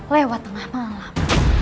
lewat tengah malam